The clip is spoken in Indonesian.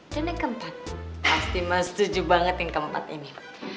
dan yang keempat pasti mas setuju banget yang keempat ini